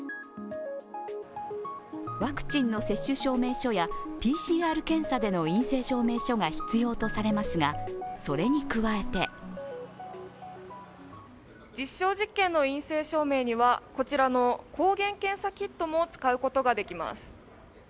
ワクチンの接種証明書やＰＣＲ検査での陰性証明書が必要とされますがそれに加えて実証実験の陰性証明には、こちらの抗原検査キットも使うことができます。